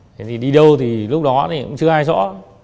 thế thì đi đâu thì lúc đó thì cũng chưa ai rõ